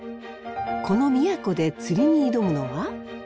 この宮古で釣りに挑むのは。